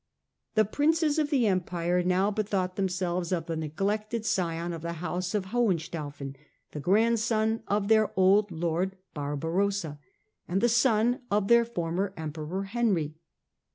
The Princes of the Empire now bethought themselves of the neglected scion of the house of Hohenstauf en, the grandson of their old Lord, Barbarossa, and the son of their former Emperor Henry.